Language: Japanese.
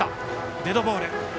デッドボール。